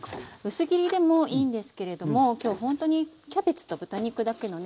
薄切りでもいいんですけれども今日ほんとにキャベツと豚肉だけのね